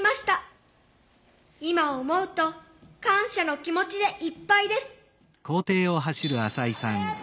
今思うと感謝の気持ちでいっぱいです。